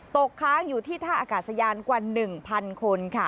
ตกค้างอยู่ที่ท่าอากาศยานกว่า๑๐๐คนค่ะ